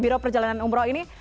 biroh perjalanan umroh ini